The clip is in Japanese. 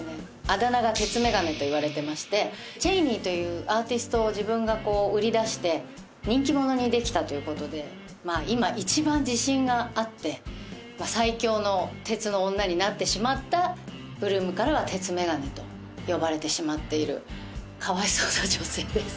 あだ名が鉄眼鏡と言われてましてＣＨＡＹＮＥＹというアーティストを自分がこう売り出して人気者にできたということで今一番自信があって最強の鉄の女になってしまった８ＬＯＯＭからは鉄眼鏡と呼ばれてしまっているかわいそうな女性です